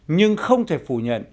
nhưng không thể phủ nhận